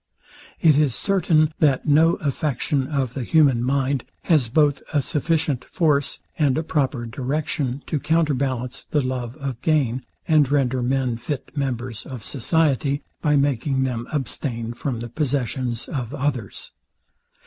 It is certain, that no affection of the human mind has both a sufficient force, and a proper direction to counterbalance the love of gain, and render men fit members of society, by making them abstain from the possessions of others.